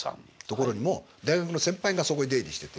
ところにも大学の先輩がそこへ出入りしてて。